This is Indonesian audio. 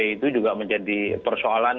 itu juga menjadi persoalan